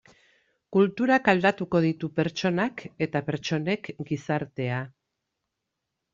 Kulturak aldatuko ditu pertsonak eta pertsonek gizartea.